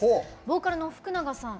ボーカルの福永さん